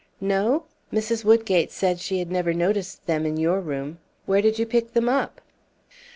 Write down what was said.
"No? Mrs. Woodgate said she had never noticed them in your room. Where did you pick them up?"